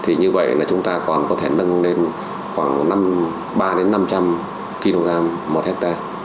thì như vậy chúng ta còn có thể nâng lên khoảng ba trăm linh năm trăm linh kg một hectare